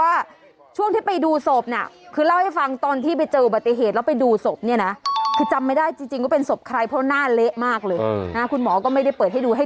ดิฉันเข้าใจความรู้สึกดีเพราะน้ำขิงเขามีประโยชน์ไง